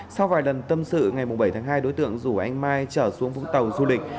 sau vài lần tâm sự ngày bảy tháng hai đối tượng rủ anh mai trở xuống vũng tàu du lịch